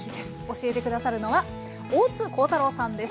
教えて下さるのは大津光太郎さんです。